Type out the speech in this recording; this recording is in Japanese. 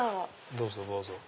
どうぞどうぞ。